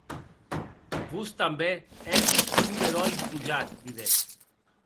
Vos tanben ètz un beròi gojat, didec.